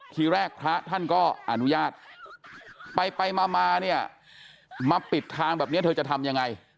ทีแรกพระท่านก็อนุญาตไปมาเนี่ยมาปิดทางแบบนี้เธอจะทำยังไง